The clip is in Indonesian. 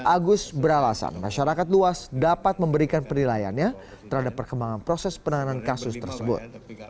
agus beralasan masyarakat luas dapat memberikan penilaiannya terhadap perkembangan proses penanganan kasus tersebut